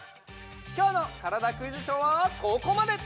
きょうの「からだ☆クイズショー」はここまで。